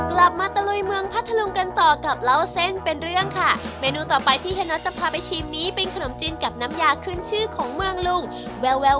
หล่อเซ้นตัวเป็นเรื่องค่ะเมนูต่อไปที่ให้น้องจะพาไปชิมนี้เป็นขนมจิ้นกับน้ำยาขึ้นชื่อของเมืองลุงแวว